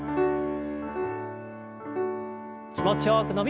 気持ちよく伸びをして。